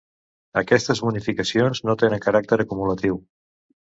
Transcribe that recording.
Aquestes bonificacions no tenen caràcter acumulatiu.